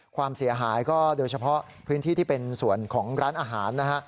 ความเสียหายก็โดยเฉพาะพื้นที่ที่เป็นส่วนของร้านอาหารนะฮะ